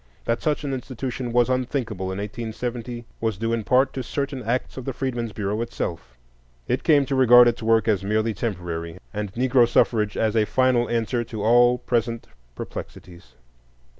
That such an institution was unthinkable in 1870 was due in part to certain acts of the Freedmen's Bureau itself. It came to regard its work as merely temporary, and Negro suffrage as a final answer to all present perplexities.